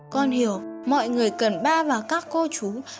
con hiểu mọi người cần ba vào các cô chú